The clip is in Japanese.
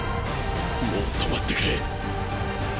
もう止まってくれ。